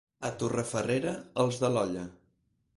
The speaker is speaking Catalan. A Torrefarrera, els de l'olla.